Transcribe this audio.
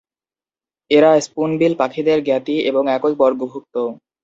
এরা স্পুনবিল পাখিদের জ্ঞাতি এবং একই বর্গভুক্ত।